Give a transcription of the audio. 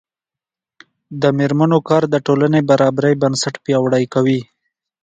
د میرمنو کار د ټولنې برابرۍ بنسټ پیاوړی کوي.